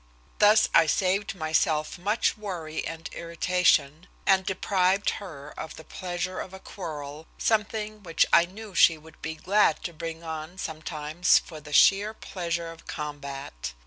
Thus I saved myself much worry and irritation, and deprived her of the pleasure of a quarrel, something which I knew she would be glad to bring on sometimes for the sheer pleasure of combat.